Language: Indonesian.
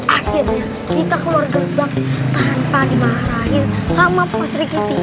akhirnya kita keluar gerbang tanpa dimarahin sama mas rikiti